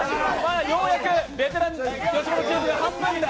ようやくベテラン吉本チームが半分だ。